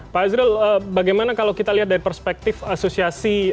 pak azrul bagaimana kalau kita lihat dari perspektif asosiasi